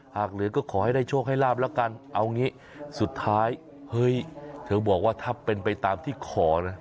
หากเหลือก็ขอให้ได้โชคให้ลาบแล้วกันเอางี้สุดท้ายเฮ้ยเธอบอกว่าถ้าเป็นไปตามที่ขอนะ